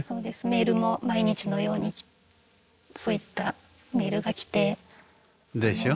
メールも毎日のようにそういったメールが来て。でしょ。